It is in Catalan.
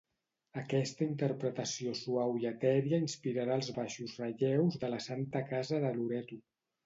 Aquesta interpretació suau i etèria inspirarà els baixos relleus de la Santa Casa de Loreto.